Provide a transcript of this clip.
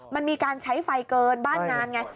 มันมีการใช้ไฟเกินบ้านงานไง